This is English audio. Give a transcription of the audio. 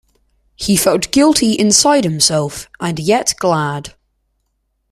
He felt guilty inside himself, and yet glad.